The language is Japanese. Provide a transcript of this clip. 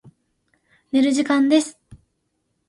寝る時間です。